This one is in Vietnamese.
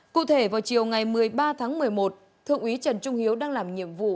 cụ thể vào chiều ngày một mươi ba tháng một mươi một thượng úy trần trung hiếu đang làm nhiệm vụ